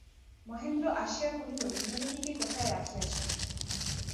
মহেন্দ্র আসিয়া কহিল, বিনোদিনীকে কোথায় রাখিয়াছ।